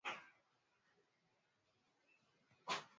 Maneno mawili hayakubaliki.